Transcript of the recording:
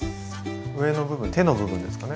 上の部分手の部分ですかね。